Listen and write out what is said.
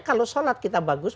kalau sholat kita bagus